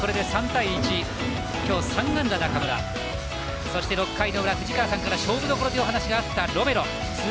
３対１きょう３安打の中村６回の裏、藤川さんから勝負どころという話があったロメロ。